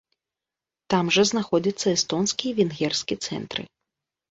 Там жа знаходзяцца эстонскі і венгерскі цэнтры.